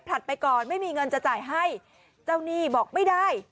ไปก่อนไม่มีเงินจะจ่ายให้เจ้าหนี้บอกไม่ได้